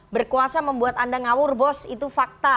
berkuasa membuat anda ngawur bos itu fakta